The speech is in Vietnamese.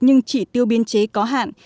nhưng chỉ tiêu biên chế có hạn